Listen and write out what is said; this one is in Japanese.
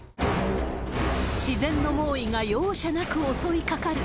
自然の猛威が容赦なく襲いかかる。